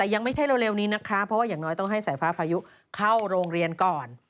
ยังไม่ใช่เร็วนี้นะคะเพราะว่าอย่างน้อยต้องให้สายฟ้าพายุเข้าโรงเรียนก่อน